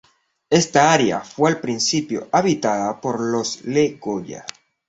Esta área fue al principio habitada por los Le Goya.